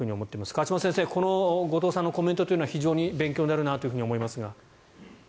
河島先生後藤さんのコメントというのは非常に勉強になると思いますが。